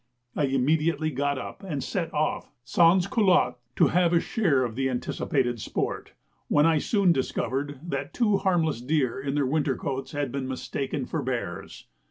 I immediately got up, and set off "sans culottes" to have a share of the anticipated sport, when I soon discovered that two harmless deer in their winter coats had been mistaken for bears.